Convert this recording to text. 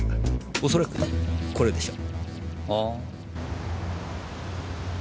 おそらくこれでしょう。